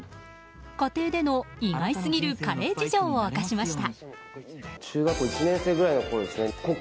家庭での意外すぎるカレー事情を明かしました。